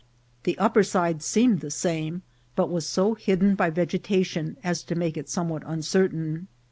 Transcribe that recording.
The upper side seemed the same, but was so hidden by ve getation as to make it somewhat uncertain.